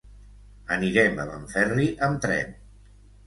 Anirem a Benferri amb tren.